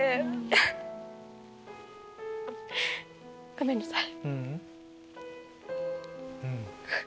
ごめんなさい。